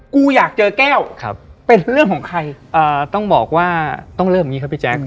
กูอยากเจอแก้วเป็นเรื่องของใครต้องบอกว่าต้องเริ่มอย่างนี้ครับพี่แจ๊ค